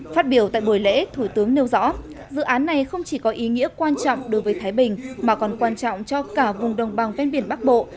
phát biểu tại buổi lễ thủ tướng nêu rõ dự án này không chỉ có ý nghĩa quan trọng đối với thái bình mà còn quan trọng cho cả vùng đồng bằng ven biển bắc bộ